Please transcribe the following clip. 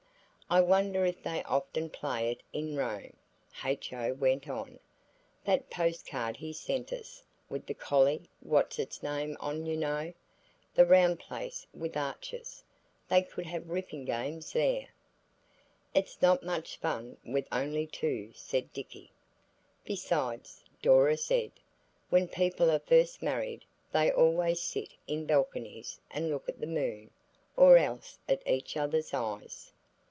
"I wonder if they often play it in Rome," H.O. went on "That post card he sent us with the Colly whats its name on–you know, the round place with the arches. They could have ripping games there–" "It's not much fun with only two," said Dicky. "Besides," Dora said, "when people are first married they always sit in balconies and look at the moon, or else at each other's eyes."